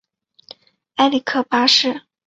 埃里克八世。